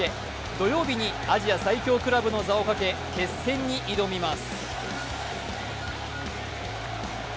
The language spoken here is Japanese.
土曜日にアジア最強クラブの座をかけ、決勝に挑みます。